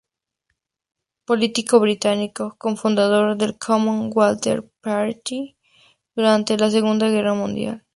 Político británico, cofundador del Common Wealth Party durante la Segunda Guerra Mundial.